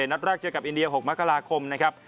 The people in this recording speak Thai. นัดแรกเจอกับอินเดีย๖มกราคมนะครับ